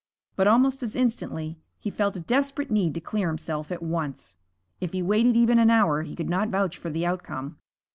But almost as instantly he felt a desperate need to clear himself at once. If he waited even an hour he could not vouch for the outcome.